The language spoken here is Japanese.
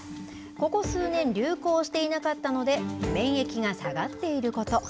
ここ数年流行していなかったので免疫が下がっていること。